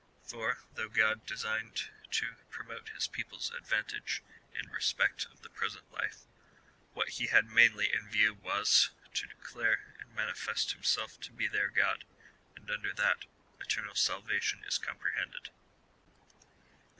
For, though Grod designed to promote his people's advantage in respect of the present life, what he had mainly in view was, to declare and manifest himself to be their God, and under that, eternal salvation is comprehended.